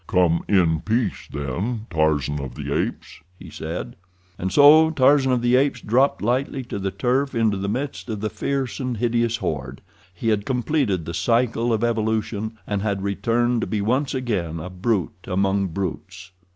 "Come in peace, then, Tarzan of the Apes," he said. And so Tarzan of the Apes dropped lightly to the turf into the midst of the fierce and hideous horde—he had completed the cycle of evolution, and had returned to be once again a brute among brutes.